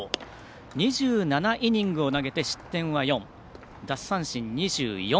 ２７イニングを投げて失点は４奪三振２４。